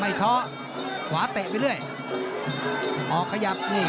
มันต้องอย่างงี้มันต้องอย่างงี้